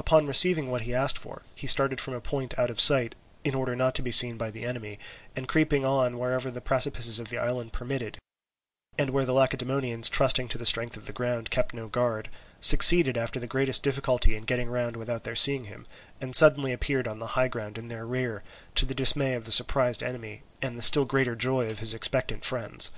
Upon receiving what he asked for, he started from a point out of sight in order not to be seen by the enemy, and creeping on wherever the precipices of the island permitted, and where the Lacedaemonians, trusting to the strength of the ground, kept no guard, succeeded after the greatest difficulty in getting round without their seeing him, and suddenly appeared on the high ground in their rear, to the dismay of the surprised enemy and the still greater joy of his expectant friends.